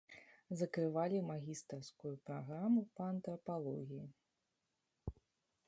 Закрывалі магістарскую праграму па антрапалогіі.